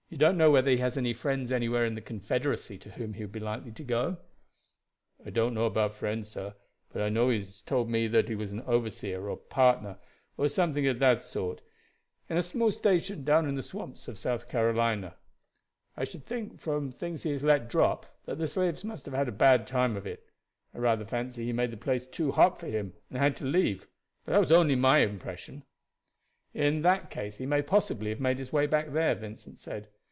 "You don't know whether he has any friends anywhere in the Confederacy to whom he would be likely to go?" "I don't know about friends, sir; but I know he has told me he was overseer, or partner, or something of that sort, in a small station down in the swamps of South Carolina. I should think, from things he has let drop, that the slaves must have had a bad time of it. I rather fancy he made the place too hot for him, and had to leave; but that was only my impression." "In that case he may possibly have made his way back there," Vincent said.